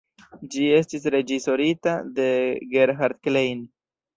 Ĝi estis reĝisorita de Gerhard Klein.